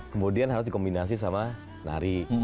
kemudian harus dikombinasi sama nari